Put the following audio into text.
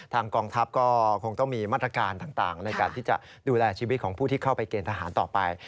กองทัพก็คงต้องมีมาตรการต่างในการที่จะดูแลชีวิตของผู้ที่เข้าไปเกณฑ์ทหารต่อไป